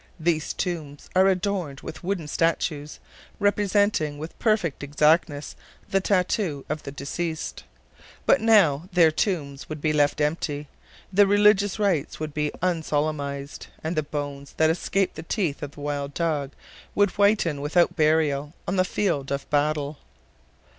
These tombs are adorned with wooden statues, representing with perfect exactness the tattoo of the deceased. But now their tombs would be left empty, the religious rites would be unsolemnized, and the bones that escaped the teeth of the wild dog would whiten without burial on the field of battle.